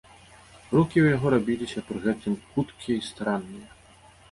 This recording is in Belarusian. Рухі ў яго рабіліся пры гэтым хуткія і старанныя.